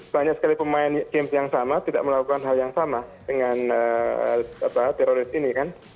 banyak sekali pemain games yang sama tidak melakukan hal yang sama dengan teroris ini kan